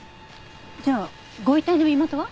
じゃあご遺体の身元は？